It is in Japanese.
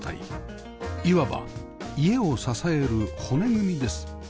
いわば家を支える骨組みです